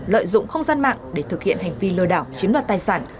lợi dụng không gian mạng để thực hiện hành vi lừa đảo chiếm đoạt tài sản